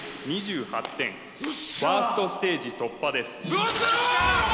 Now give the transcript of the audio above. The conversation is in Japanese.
ファーストステージ突破ですよっしゃあ！